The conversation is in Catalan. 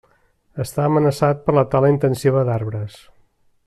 Està amenaçat per la tala intensiva d'arbres.